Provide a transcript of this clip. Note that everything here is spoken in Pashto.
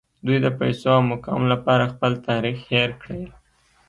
دوی د پیسو او مقام لپاره خپل تاریخ هیر کړی